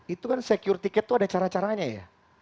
itu kan secure tiket tuh ada cara caranya ya